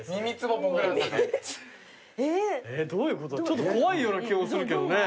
ちょっと怖いような気もするけどね。